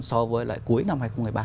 so với lại cuối năm hai nghìn một mươi ba